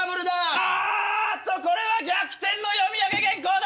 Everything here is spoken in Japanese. あっとこれは逆転の読み上げ原稿だ！